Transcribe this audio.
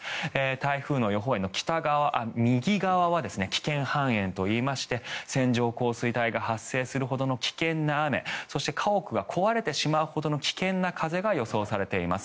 台風の予報円の右側は危険半円といいまして線状降水帯が発生するほどの危険な雨そして家屋が壊れてしまうほどの危険な風が予想されています。